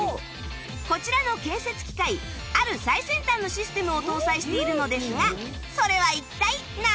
こちらの建設機械ある最先端のシステムを搭載しているのですがそれは一体何？